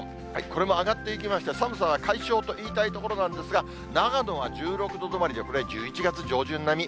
これも上がっていきまして、寒さは解消と言いたいところなんですが、長野は１６度止まりで、これ、１１月上旬並み。